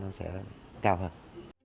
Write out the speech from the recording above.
nó sẽ cao hơn